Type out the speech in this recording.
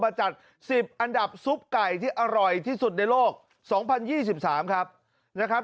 จัด๑๐อันดับซุปไก่ที่อร่อยที่สุดในโลก๒๐๒๓ครับนะครับ